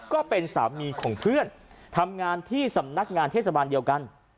ก็เป็นสามีของเพื่อนทำงานที่สำนักงานเทศบาลเดียวกัน